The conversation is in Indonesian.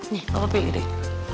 nih papa pilih deh